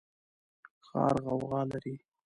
ښار غوغا لري